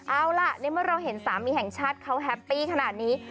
เอาล่ะในเมื่อเราเห็นสามีแห่งชาติเขาแฮปปี้ขนาดนี้